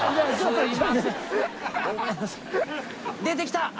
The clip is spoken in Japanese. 出てきた！